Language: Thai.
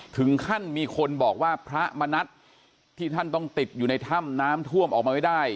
ถึงขั้นมีคนบอกว่าพระมณัฐที่ท่านต้องติดอยู่ในถ้ำน้ำท่วมออกมาไม่ได้